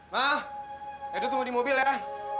ma edo tunggu di mobil ya